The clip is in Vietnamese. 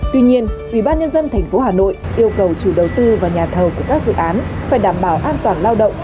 tuy nhiên ubnd tp hà nội yêu cầu chủ đầu tư và nhà thầu của các dự án phải đảm bảo an toàn lao động